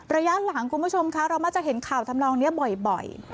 ระยะหลังคุณผู้ชมคะเรามักจะเห็นข่าวทำลองนี้บ่อย